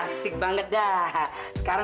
kayaknya udah agak agak keren